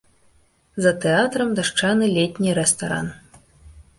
За тэатрам дашчаны летні рэстаран.